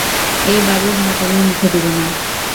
এই বাড়ির ভাত আমি মুখে দিব না।